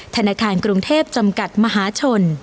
ธนาคารกรุงเทพจำกัดมหาชน